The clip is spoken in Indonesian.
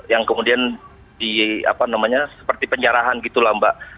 yang kemudian seperti penjarahan gitu lah mbak